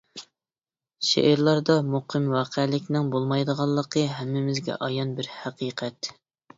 شېئىرلاردا مۇقىم ۋەقەلىكنىڭ بولمايدىغانلىقى ھەممىمىزگە ئايان بىر ھەقىقەت.